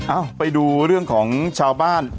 ไปดูเรื่องของชาวบ้าน